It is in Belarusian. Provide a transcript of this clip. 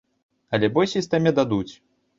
Але бой сістэме дадуць.